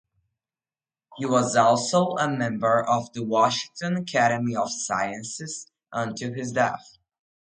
He was also a member of the Washington Academy of Sciences until his death.